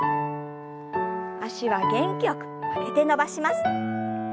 脚は元気よく曲げて伸ばします。